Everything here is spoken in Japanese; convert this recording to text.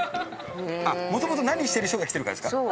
あっ元々何してる人が来てるかですか？